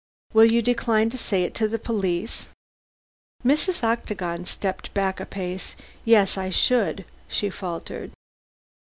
"Will you decline to say it to the police?" Mrs. Octagon stepped back a pace. "Yes, I should," she faltered.